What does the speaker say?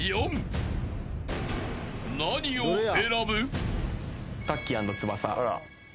［何を選ぶ？］